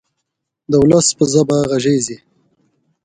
د ولس په ژبه غږیږي.